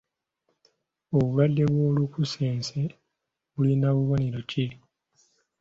Obulwadde bw'olukusense bulina bubonero ki?